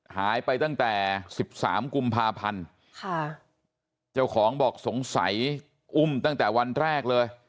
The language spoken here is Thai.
หายไปตั้งแต่๑๓กุมภาพันธ์ค่ะเจ้าของบอกสงสัยอุ้มตั้งแต่วันแรกเลย